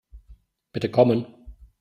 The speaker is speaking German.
Bitte kommen!